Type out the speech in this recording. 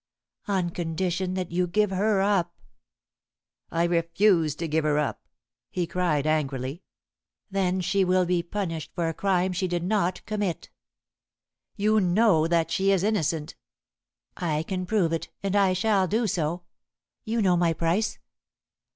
"On condition that you give her up." "I refuse to give her up," he cried angrily. "Then she will be punished for a crime she did not commit." "You know that she is innocent." "I can prove it, and I shall do so. You know my price."